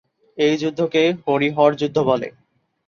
এই যুদ্ধকে "হরি-হর যুদ্ধ" বলে।